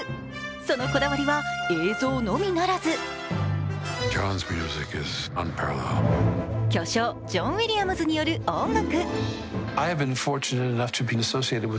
そのこだわりは、映像のみならず巨匠ジョン・ウィリアムズによる音楽。